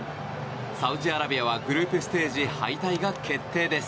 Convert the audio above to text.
サウジアラビアはグループステージ敗退が決定です。